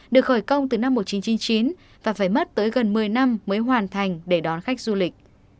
được khởi công từ năm một nghìn chín trăm chín mươi chín và phải mất tới gần một mươi năm mới hoàn thành để đón khách du lịch